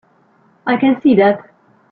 I can see that.